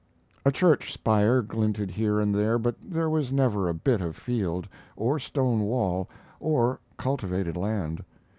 A church spire glinted here and there, but there was never a bit of field, or stone wall, or cultivated land.